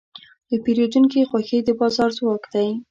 د پیرودونکي خوښي د بازار ځواک دی.